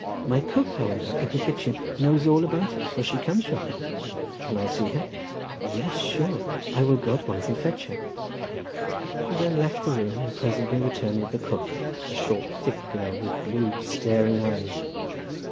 My cook, however, in the kitchen, knows all about it, for she comes from there." "Can I see her?" "Yes, sure; I will go at once and fetch her." She then left the room, and presently returned with the cook, a short, thick girl, with blue, staring eyes.